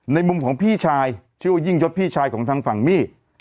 มุมของพี่ชายชื่อว่ายิ่งยศพี่ชายของทางฝั่งมี่